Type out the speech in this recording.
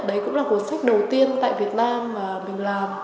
đấy cũng là cuốn sách đầu tiên tại việt nam mà mình làm